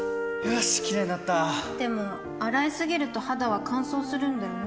よしキレイになったでも、洗いすぎると肌は乾燥するんだよね